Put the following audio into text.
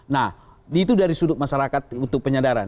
nah itu dari sudut masyarakat untuk penyadaran